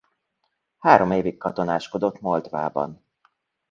Három évig katonáskodott Moldvában.